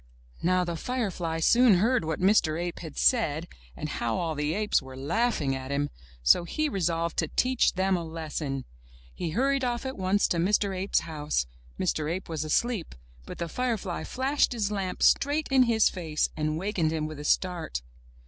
Now the firefly soon heard what Mr. Ape had said, and how all the apes were laughing at him, so he resolved to teach them a lesson. He hurried off at once to Mr. Ape's house. Mr. Ape was asleep, but the firefly flashed his lamp straight in his face and wakened him with a start.